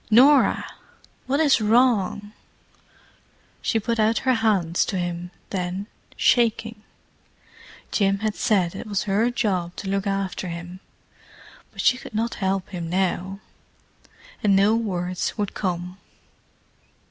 "Norah!—what is wrong?" She put out her hands to him then, shaking. Jim had said it was her job to look after him, but she could not help him now. And no words would come.